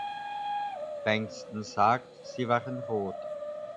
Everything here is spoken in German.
Bengston sagt, sie waren rot.